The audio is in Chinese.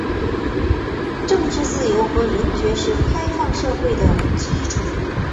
政治自由和人权是开放社会的基础。